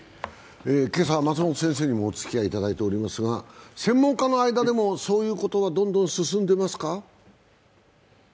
今朝は松本先生にもお付き合いいただいておりますが、専門家の間でもそういうことがどんどん進んでますか？